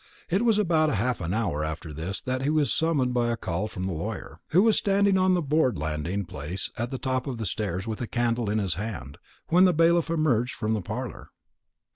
It was about half an hour after this that he was summoned by a call from the lawyer, who was standing on the broad landing place at the top of the stairs with a candle in his hand, when the bailiff emerged from the parlour.